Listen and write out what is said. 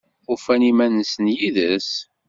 Ufan iman-nsen yid-s?